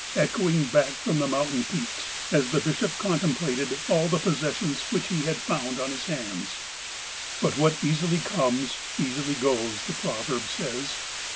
" echoing back from the mountain peaks, as the bishop contemplated all the possessions which he found on his hands. 296 THE APOSTLE OF ALASKA But what easily comes, easily goes, the proverb says.